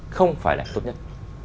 không phải là ảnh tốt nhất